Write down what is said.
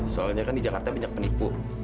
soalnya kan di jakarta banyak penipu